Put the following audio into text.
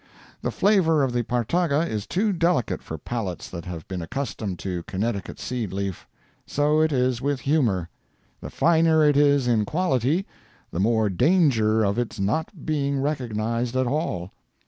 The flavor of the Partaga is too delicate for palates that have been accustomed to Connecticut seed leaf. So it is with humor. The finer it is in quality, the more danger of its not being recognized at all.